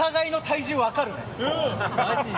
マジで？